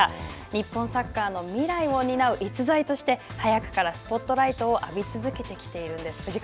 日本サッカーの未来を担う逸材として早くからスポットライトを浴び続けてきているんです。